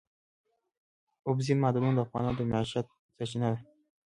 اوبزین معدنونه د افغانانو د معیشت سرچینه ده.